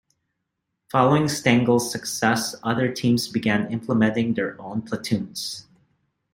Following Stengel's success, other teams began implementing their own platoons.